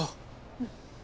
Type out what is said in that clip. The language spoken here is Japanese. うん。